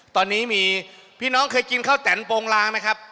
ตอนนี้มีพี่น้องเคยกินข้าวแตนโปรงลางไหมครับ